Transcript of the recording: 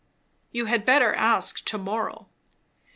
"You had better ask to morrow."